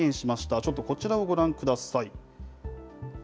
ちょっとこちらをご覧ください。